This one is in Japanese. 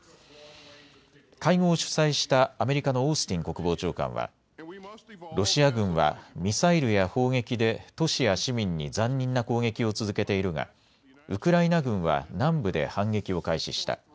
会合を主催したアメリカのオースティン国防長官はロシア軍はミサイルや砲撃で都市や市民に残忍な攻撃を続けているがウクライナ軍は南部で反撃を開始した。